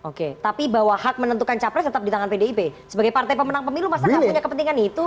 oke tapi bahwa hak menentukan capres tetap di tangan pdip sebagai partai pemenang pemilu masa nggak punya kepentingan itu